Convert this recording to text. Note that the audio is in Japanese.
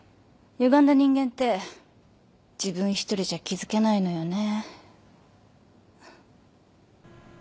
ゆがんだ人間って自分一人じゃ気付けないのよね。